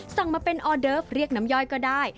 สั่งมาเป็นออเดิฟเรียกน้ำย่อยก็ได้